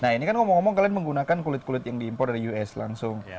nah ini kan ngomong ngomong kalian menggunakan kulit kulit yang diimpor dari us langsung